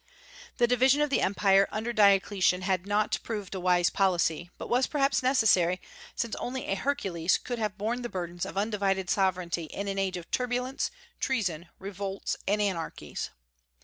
The division of the Empire under Diocletian had not proved a wise policy, but was perhaps necessary; since only a Hercules could have borne the burdens of undivided sovereignty in an age of turbulence, treason, revolts, and anarchies.